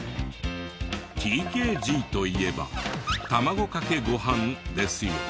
「ＴＫＧ」といえばたまごかけご飯ですよね。